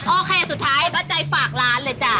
โอเคอันสุดท้ายประจายฝากร้านเลยจ้ะ